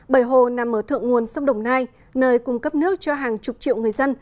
bởi hồ nằm ở thượng nguồn sông đồng nai nơi cung cấp nước cho hàng chục triệu người dân